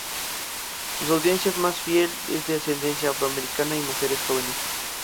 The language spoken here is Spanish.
Su audiencia más fiel es de ascendencia afro-americana y mujeres jóvenes.